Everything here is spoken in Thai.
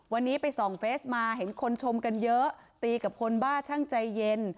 วันนี้ไปส่องเฟสมาเห็นคนชมกันเยอะตีกับคนบ้าช่างใจเย็น